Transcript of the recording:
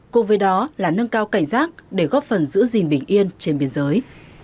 cùng với đó là nâng cao cảnh giác để góp phần giữ gìn bình yên trên biên giới